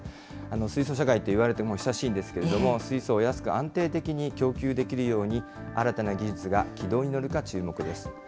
水素社会といわれてもう久しいんですけれども、水素を安く安定的に供給できるように、新たな技術が軌道に乗るか注目です。